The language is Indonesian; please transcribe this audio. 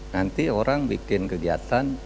nanti orang bikin kegiatan